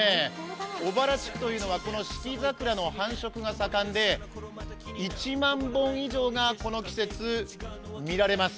小原地区というのは四季桜の繁殖が盛んで、１万本以上のこの季節見られます。